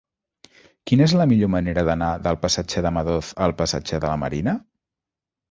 Quina és la millor manera d'anar del passatge de Madoz al passatge de la Marina?